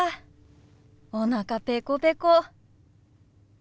おなかペコペコ。